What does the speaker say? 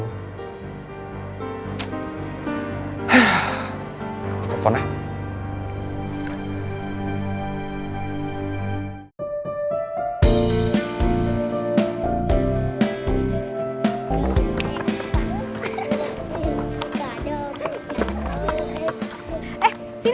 pukul jebaknya dinosaurus ini